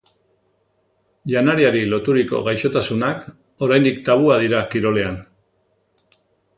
Janariari loturiko gaixotasunak oraindik tabua dira kirolean.